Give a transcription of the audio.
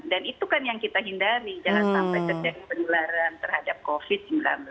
dan itu kan yang kita hindari jangan sampai terjadi penularan terhadap covid sembilan belas